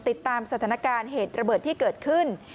ติดตามสถานการณ์เหตุระเบิดที่เกิดขึ้น